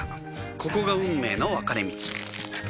ここが運命の分かれ道